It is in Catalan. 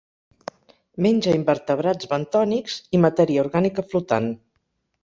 Menja invertebrats bentònics i matèria orgànica flotant.